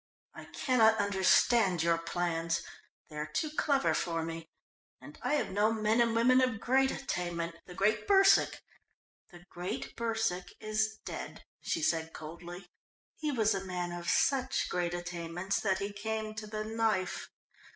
"I cannot understand your plans they are too clever for me, and I have known men and women of great attainment. The great Bersac " "The great Bersac is dead," she said coldly. "He was a man of such great attainments that he came to the knife.